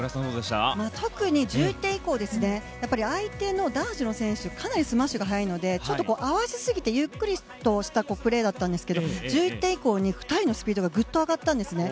特に１１点以降相手の男子の選手かなりスマッシュが速いのでちょっと合わせすぎてゆっくりしたプレーだったんですが１１点以降、２人のスピードがぐっと上がったんですね。